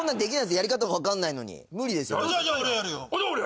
やり方も分かんないのに無理ですよ